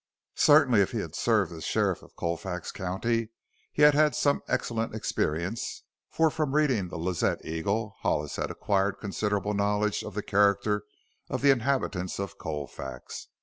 Certainly, if he had served as sheriff of Colfax County, he had had some excellent experiences, for from reading the Lazette Eagle, Hollis had acquired considerable knowledge of the character of the inhabitants of Colfax.